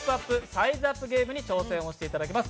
サイズアップゲームに挑戦をしていただきます。